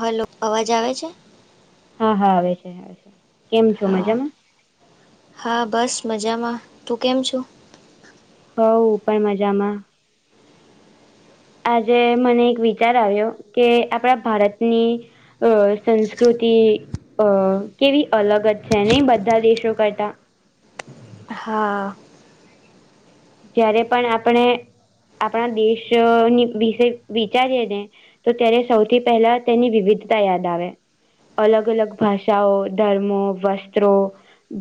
હ હલો અવાજ આવે છે. હા હા આવે છે આવે છે કેમ છો હા મજામાં. હા બસ મજામાં તું કેમ છું. હો પણ મજામાં. આજે મને એક વિચાર આવ્યો કે આપણા ભારતની. અ સંસ્કૃતિ. અ કેવી અલગ જ છે નહી બધા દેશો કરતા. હા. જયારે પણ આપણે આપણા દેશની વિશે વિચારીએ ને. તો ત્યારે સૌથી પહેલા તેની વિવિધતા યાદ આવે. અલગ અલગ ભાષાઓ ધર્મો વસ્ત્રો.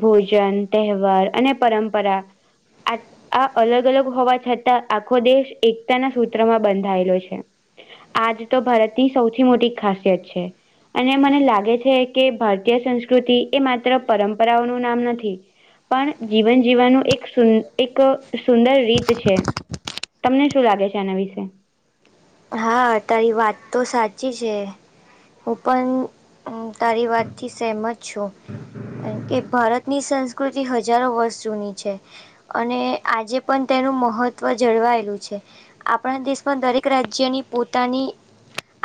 ભોજન તહેવાર અને પરંપરા. આ આ અલગ અલગ હોવા છતાં આખો દેશ એકતાના સૂત્રમાં બંધાયેલો છે. આજ તો ભારતની સૌથી મોટી ખાસિયત છે. અને મને લાગે છે કે ભારતીય સંસ્કૃતિ એ માત્ર પરંપરાઓનું નામ નથી. પણ જીવન જીવવાનું એકું. એક સુંદર રીત છે તમને શું લાગે છે આના વિશે. હા તારી વાત તો સાચી છે. હું પણ તારી વાતથી સહેમત છું. કારમ કે ભારતની સંસ્કૃતિ હજારો વર્ષ જૂની છે. અને આજે પણ તેનું મહત્ત્વ જળવાયેલું છે આપણા દેશમાં દરેક રાજ્ય. જેની પોતાની.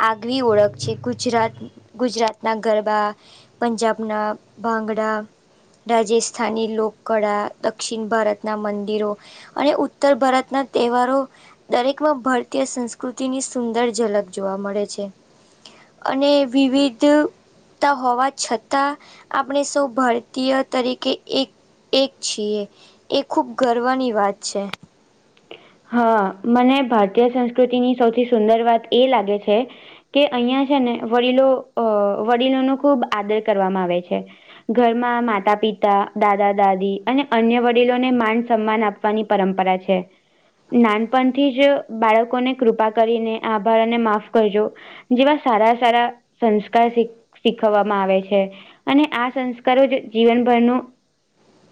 આગવી ઓળખ છે ગુજરાત ગુજરાતના ગરબા. પંજાબના ભાંગડા. રાજસ્થાની લોકકળા દક્ષિણ ભારતનાં મંદિરો. અને ઉત્તર ભારતના તહેવારો દરેકમાં ભારતીય સંસ્. પ્રકૃતિની સુંદર ઝલક જોવા મળે છે અને વિવિધ. હોવા છતાં આપણે સૌ ભારતીય તરીકે એક. એક છીએ એ ખૂબ ગર્વની વાત છે. હા મને ભારતીય સંસ્કૃતિની સૌથી સુંદર વાત એ લાગે છે કે અહિયાં છે ને વડીલો અ વડીલો ન ખુબ આદર કરવામાં આવે છે ઘરમાં માતા પિતા દાદા દાદી અને અન્ય વડીલોને માન સન્માન આપ વાની પરંપરા છે. નાનપણથી જ બાળકોને કૃપા કરીને આ આભારને માફ કરજો. જેવા સારા સારા સંસ્કાર શીખવવામાં આવે છે. અને આ સંસ્કારો જ જીવનભરનું.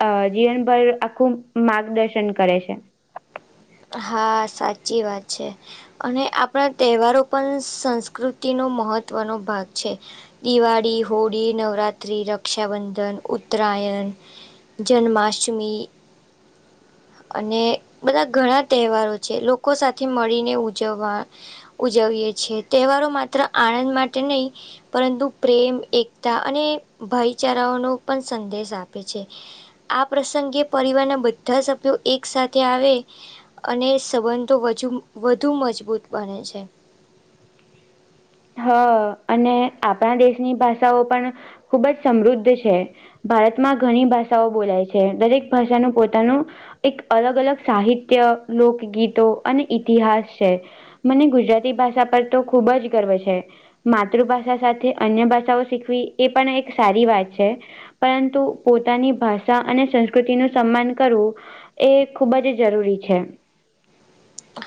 અ જીવનભર આખું માર્ગદર્શન કરે છે. હા સાચી વાત છે. અને આપણા તહેવારો પણ સંસ્કૃતિનોો મહત્વનોો ભાગ છે. દિવાળી હોળી નવરાત્રિ રક્ષાબંધન ઉત્તરાયણ. જન્માષ્ટમી અને બધા ઘણા. તહેવારો છે લોકો સાથે મળીને ઉજવવા. ઉજવીએ છે તહેવારો માત્ર આણંદ માટે નહી. પરંતુ પ્રેમ એકતા અને ભાઈ ચારાઓનો પણ સંદેશ આપે છે. આ પ્રસંગે પરિવારના બધા સભ્યો એક સાથે આવે અને સંબંધો વજુ વધુ મજબૂત બને છે. હ અને આપણા દેશની ભાષાઓ પણ ખુબ જ સમૃદ્ધ છે. ભારતમાં ઘણી ભાષાઓ બોલાય છે દરેક ભાષાનું પોતાનું એક અલગ અલગ સાહિત્ય લોકગીતો અને ઇતિહાસ છે. મને ગુજરાતી ભાષા પર તો ખુબ જ ગર્વ છે. માતૃભાષા સાથે અન્ય ભાષાઓ શીખવી એ પણ એક સારી વાત છે. પરંતુ પોતાની ભાષા અને સંસ્કૃતિ નું સન્માન કરવું. એ ખૂબ જ જરૂરી છે.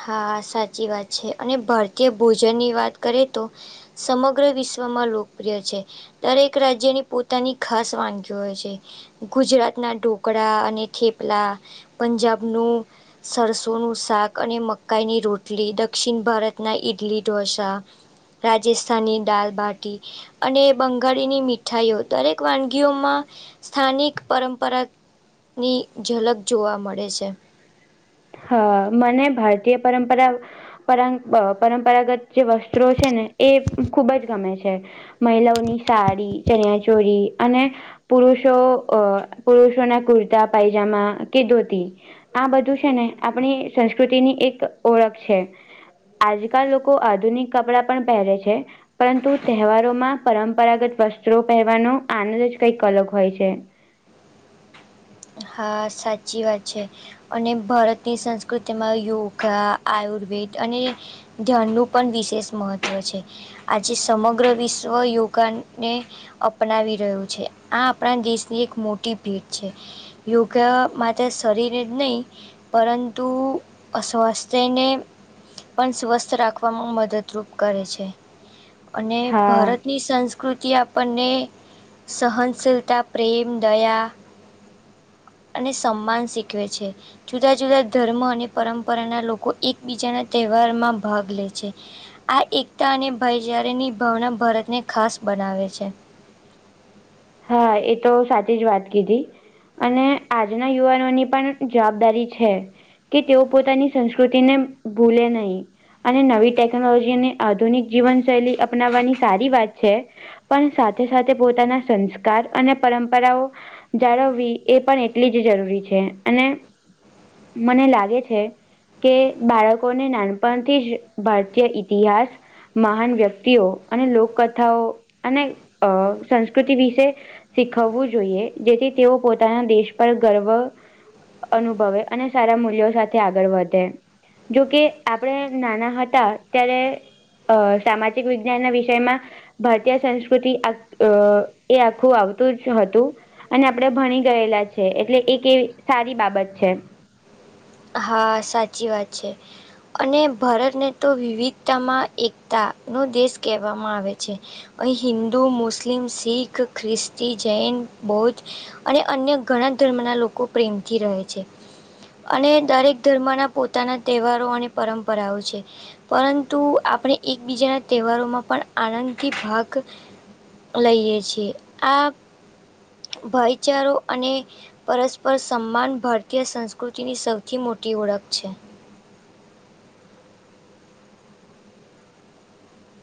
હા સાચી વાત છે અને ભારતીય ભોજનની વાત કરે તો. સમગ્ર વિશ્વમાં લોકપ્રિય છે. દરેક રાજ્યની પોતાની ઘાસ વાનગીઓ હોય છે. ગુજરાતના ઢોકળા અને થેપલા પંજાબનું સરસોનું શાક અને મ. કઈની રોટલી દક્ષિણ ભારતના ઈડલી ઢોસા. રાજસ્થની દાલબાટી. અને બંગાળીની મીઠાઈઓ દરેક વાનગીઓમાં સ્થાનિક પરંપરાની ઝલક જોવા મળે છે. હા મને ભારતીય પરંપરા પરગ અ પરંપરાગત જે વસ્ત્રો છે ને એ ખુબ જ ગમે છે. મહિલાઓની સાડી ચણીય ચોળી અને. પુરુષો અ પુરુષોના કુર્તા પાયજામા કે ધોતી આ બધું છે ને આપણી સંસ્કૃતિની એક ઓળખ છે. આજકાલ લોકો આધુનિક કપડાં પણ પહેરે છે. પરંતુ તહેવારોમાં પરંપરાગત વસ્ત્રો પહેરવાનો આનંદ જ કંઈક અલગ હોય છે. હા સાચી વાત છે. અને ભરતની સંસ્કૃતિમાં યોગા આયુર્વેદ અને. ધ્યાનનું પણ વિશેષ મહત્વ છે. આજે સમગ્ર વિશ્વ યોગાન ડે. અપનાવી રહ્યું છે આ આપણા દેશની એક મોટી ભેટ છે. યોગા માટે શરીરે જ નહીં. પરંતુ સ્વાસ્થ્યને. પણ સ્વસ્થ રાખવામાં મદદરૂપ કરે છે. અને હા ભારતની સંસ કૃતિ આપણને સહનશીલતા પ્રેમ દયા અને સમાન શીખવે છે. જુદા જુદા ધર્મ અને પરંપરાના લોકો એકબીજાના તહેવારમાં ભાગ લે છે. આ એકતા અને ભાઈચારા ની ભાવના ભારત ને ખાસ બનાવે છે. હા એ તો સાચી જ વાત કીધી. અને આજના યુવાનોની પણ જવાબદારી છે. કે તેઓ પોતાની સંસ્કૃતિને ભૂલે નહીં. અને નવી ટેકનોલોજીને આધુનિક જીવનશૈલી અપનાવવાની સારી વાત છે. પણ સાથે સાથે પોતાના સંસ્કાર અને પરંપરાઓ જાળવી એ પણ એટલી જ જરૂરી છે અને મને લાગે છે. કે બાળકોને નાનપણથી જ ભારતીય ઇતિહાસ મહાન વ્યક્તિઓ અને લોકકથાઓ અને અ સંસ સંકૃતિ વિશે શીખવવું જોઈએ જેથી તેઓ પોતાના દેશ પર ગર્વ અનુભવે અને સારા મૂલ્યો સાથે આગળ વધે. જોકે આપણે નાના હતા ત્યારે અ સામાજિક વિજ્ઞાનના વિષયમાં ભારતીય સંસ્કૃતિ આ એ આખું આવતું જ હતું. અને આપણે ભણી ગયેલા છે એટલે એક એવી સારી બાબત છે. હા સાચી વાત છે. અને ભારતને તો વિવિધતામાં એકતા નો દેશ કહેવામાં આવે છે. અહીં હિન્દુ, મુસ્લિમ, શીખ, ખ્રિસ્તી, જૈન, બૌદ્ધ. અને અન્ય ઘણા ધર્મ ના લોકો પ્રેમથી રહે છે અને દરેક ધર્મના પોતાના તહેવારો અને પરંપરાઓ છે. પરંતુ આપણે એકબીજાના તહેવારોમાં પણ આનંદથી ભાગ લઈએ છીએ આ ભાઈચારો અને પરસ્પર સન્માન ભારતીય સંસ્કૃતિની સ સ થી મોટી ઓળખ છે.